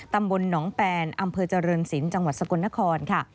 ตำบลหนองแปนอำเภอเจริญศิลป์จังหวัดสกลนครค่ะ